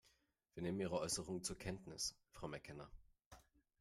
Wir nehmen Ihre Äußerung zur Kenntnis, Frau McKenna.